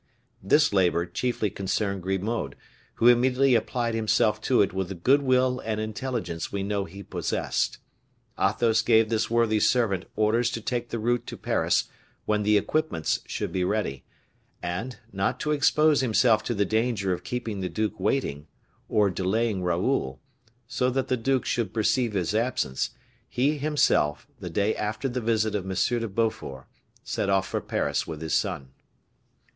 This labor chiefly concerned Grimaud, who immediately applied himself to it with the good will and intelligence we know he possessed. Athos gave this worthy servant orders to take the route to Paris when the equipments should be ready; and, not to expose himself to the danger of keeping the duke waiting, or delaying Raoul, so that the duke should perceive his absence, he himself, the day after the visit of M. de Beaufort, set off for Paris with his son.